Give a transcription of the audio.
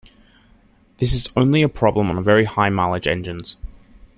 This is only a problem on very high mileage engines.